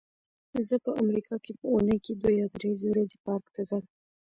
زه په امریکا کې په اوونۍ کې دوه یا درې ورځې پارک ته ځم.